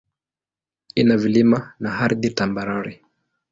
Ina vilima na ardhi tambarare.